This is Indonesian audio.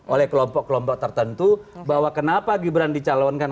oleh kelompok kelompok tertentu bahwa kenapa gibran dicalonkan